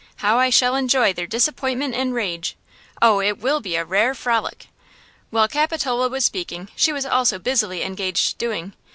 How I shall enjoy their disappointrnent and rage! Oh, it will be a rare frolic!" While Capitola was speaking she was also busily engaged doing.